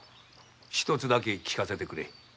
一つだけ聞かせてくれ。